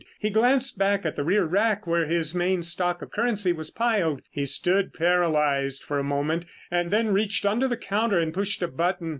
He glanced back at the rear rack where his main stock of currency was piled. He stood paralyzed for a moment and then reached under the counter and pushed a button.